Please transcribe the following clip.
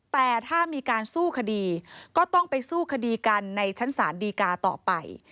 แต่ถ้ามีการสู้คดีก็ต้องไปสู้คดีกันในชั้นศาลดีกาต่อไป